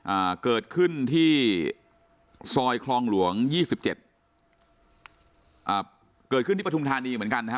อ่าเกิดขึ้นที่ซอยคลองหลวงยี่สิบเจ็ดอ่าเกิดขึ้นที่ปฐุมธานีเหมือนกันนะฮะ